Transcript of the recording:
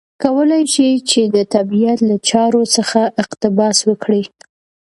کولای شي چې د طبیعت له چارو څخه اقتباس وکړي.